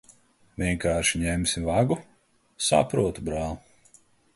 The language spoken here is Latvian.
Vienkārši ņemsi vagu? Saprotu, brāl'.